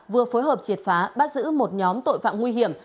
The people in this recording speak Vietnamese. vừa phối hợp triệt phá bắt giữ một nhóm tội phạm nguy hiểm